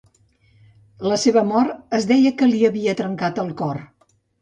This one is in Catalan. La seva mort, es deia que li havia trencat el cor.